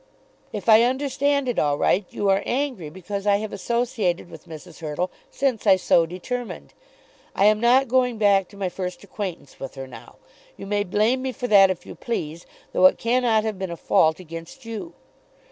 If I understand it all right you are angry because I have associated with Mrs. Hurtle since I so determined. I am not going back to my first acquaintance with her now. You may blame me for that if you please, though it cannot have been a fault against you.